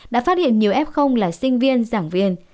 đã phát hiện nhiều f là sinh viên giảng viên